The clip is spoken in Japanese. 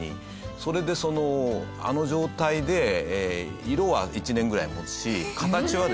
それであの状態で色は１年ぐらい持つし形はですね